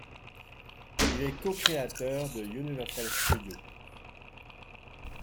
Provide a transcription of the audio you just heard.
Il est co créateur de Universal Studios.